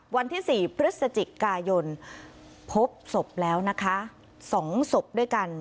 วันที่๔พฤศจิกายนพบศพแล้วนะคะ๒ศพด้วยกัน